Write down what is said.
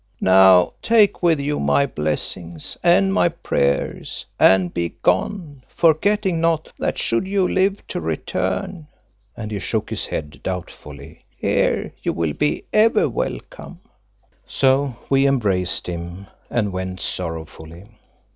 Now take with you my blessings and my prayers and begone, forgetting not that should you live to return" and he shook his head, doubtfully "here you will be ever welcome." So we embraced him and went sorrowfully.